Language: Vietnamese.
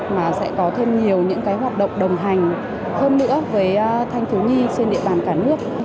mà sẽ có thêm nhiều những cái hoạt động đồng hành hơn nữa với thanh thiếu nhi trên địa bàn cả nước